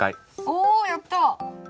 おやった！